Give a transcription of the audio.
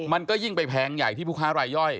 มันก็ยิ่งไปแพงใหญ่ที่ผู้ค้ารายย่อย